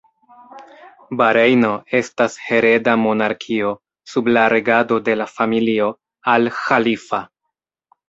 Barejno estas hereda monarkio sub la regado de la familio Al Ĥalifa.